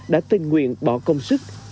đã tình nguyện bỏ công sức